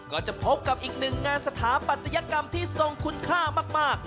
ก็จะพบกับอีกหนึ่งงานสถาปัตยกรรมที่ทรงคุณค่ามาก